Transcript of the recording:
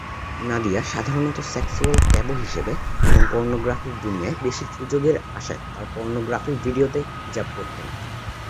নাদিয়া সাধারণত sexual taboo হিসেবে এবং পর্নোগ্রাফির দুনিয়ায় বেশি সুযোগের আশায় তার পর্নোগ্রাফি ভিডিওতে হিজাব পরতেন।